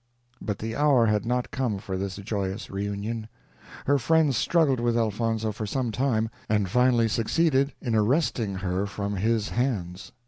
But the hour had not come for this joyous reunion; her friends struggled with Elfonzo for some time, and finally succeeded in arresting her from his hands.